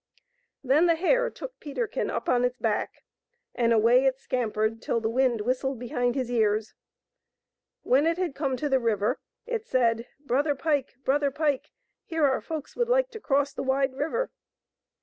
Then the hare took Peterkin up on its back, and away it scampered till the wind whistled behind his ears. When it had come to the river it said :" Brother Pike ! Brother Pike ! Here are folks would like to cross the wide river.